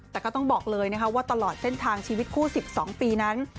แต่ก็ต้องบอกเลยนะคะว่าตลอดเส้นทางชีวิตคู่๑๒ปีนั้น